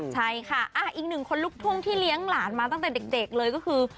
ใช่ค่ะอีกหนึ่งคนลุกทุ่งที่เลี้ยงหลานมาตั้งแต่เด็กเลยก็คือ